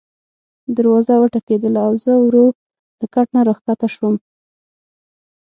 دروازه وټکېدله او زه ورو له کټ نه راکښته شوم.